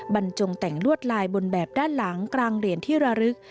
บรรจงแต่งลวดลายบนแบบด้านหลังกลางเหรียญที่ระลึก